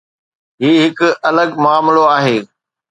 هي هڪ الڳ معاملو آهي.